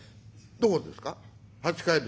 「どこですか？」。